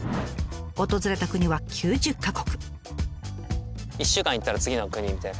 訪れた国は９０か国。